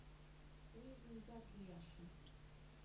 Уи зынӡак ииашам.